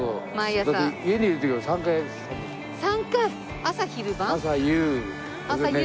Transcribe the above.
朝昼晩？